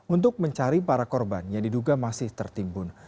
untuk mencari para korban yang diduga masih tertimbun